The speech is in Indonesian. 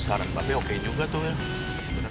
saran tapi oke juga tuh ya